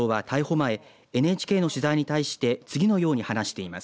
前ＮＨＫの取材に対して次のように話しています。